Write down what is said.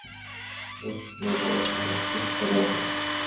এহ, নিরপরাধ মানুষদের হত্যা করা হয়।